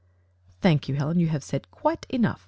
"Thank you, Helen; you have said quite enough.